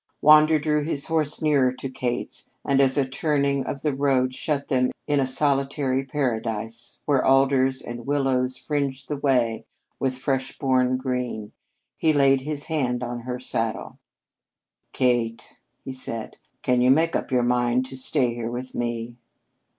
Wander drew his horse nearer to Kate's, and as a turning of the road shut them in a solitary paradise where alders and willows fringed the way with fresh born green, he laid his hand on her saddle. "Kate," he said, "can you make up your mind to stay here with me?"